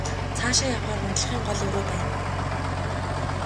Цаашаа явахаар унтлагын гол өрөө байна.